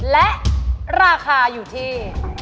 และราคาอยู่ที่